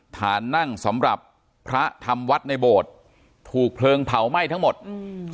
ฐานนั่งสำหรับพระทำวัดในโบสถ์ถูกเพลิงเผาไหม้ทั้งหมดอืม